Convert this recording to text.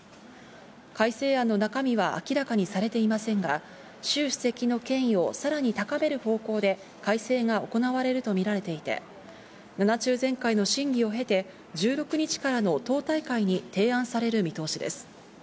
改正案の中身は明らかにされていませんが、シュウ主席の権威をさらに高める方向で改正が行われるとみられていて、７中全会の審議を経て、１６日からの党大会で提案される見通しです。